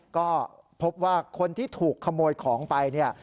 ก็พบว่าคนที่ถูกขโมยของไปเนี่ย